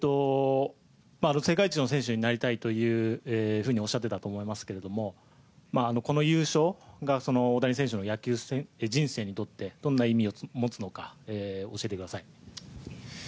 世界一の選手になりたいというふうにおっしゃっていたと思いますけどもこの優勝が大谷選手の野球人生にとってどんな意味を持つのか教えてください。